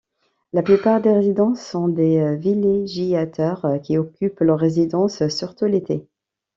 La plupart des résidents sont des villégiateurs qui occupent leur résidence surtout l'été.